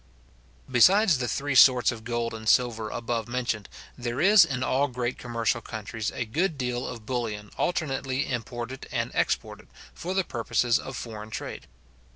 Besides the three sorts of gold and silver above mentioned, there is in all great commercial countries a good deal of bullion alternately imported and exported, for the purposes of foreign trade.